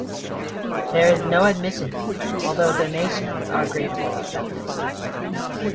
There is no admission fee, although donations are gratefully accepted.